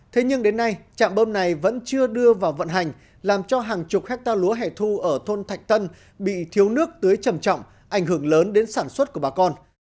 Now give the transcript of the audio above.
thế nhưng đến nay trạm bơm này vẫn chưa đưa vào vận hành làm cho hàng chục hectare lúa hẻ thu ở thôn thạch tân bị thiếu nước tưới trầm trọng ảnh hưởng lớn đến sản xuất của bà con